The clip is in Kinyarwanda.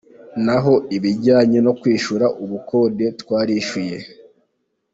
Naho ibijyanye no kwishyura ubukode, twarishyuye.